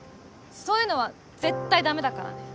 そういうのは絶対ダメだからね。